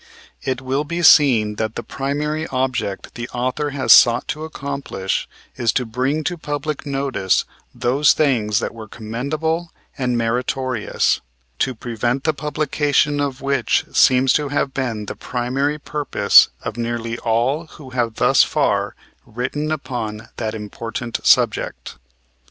It will be seen that the primary object the author has sought to accomplish, is to bring to public notice those things that were commendable and meritorious, to prevent the publication of which seems to have been the primary purpose of nearly all who have thus far written upon that important subject.